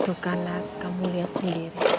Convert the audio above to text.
tuh kan lah kamu liat sendiri